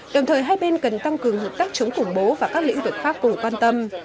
đồng thời hai bên cần tăng cường hợp tác chống khủng bố và các lĩnh vực khác cùng quan tâm